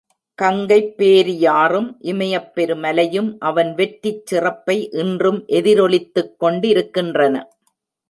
கங்கைப் பேரியாறும் இமயப் பெருமலையும் அவன் வெற்றிச் சிறப்பை இன்றும் எதிரொலித்துக் கொண்டிருக்கின்றன.